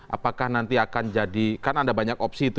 apakah nanti akan jadi kan ada banyak opsi itu